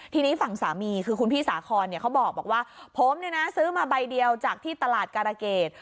ทีนี้ฝั่งสามีคือคุณพี่สาคอนเขาบอกว่าผมเนี่ยนะซื้อมาใบเดียวจากที่ตลาดการะเกด